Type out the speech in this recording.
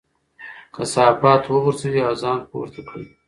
کثافات وغورځوئ او ځان پورته کړئ.